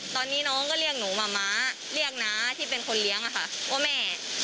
ตอนนี้น้องก็เรียกหนูมาม้าเรียกน้าที่เป็นคนเลี้ยงอะค่ะว่าแม่